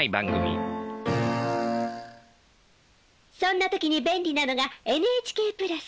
そんな時に便利なのがＮＨＫプラス！